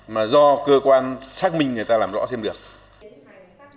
mà do cơ quan xác minh người ta làm rõ thêm được